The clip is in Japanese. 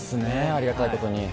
ありがたいことに。